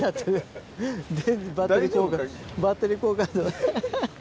バッテリー交換ハハハ。